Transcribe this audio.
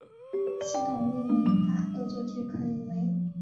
系统命名法恶作剧可以为